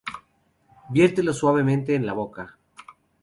viértelo suavemente en la boca